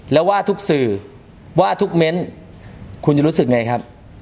แล้วว่าทุกสื่อว่าทุกเม้นคุณจะรู้สึกไงครับ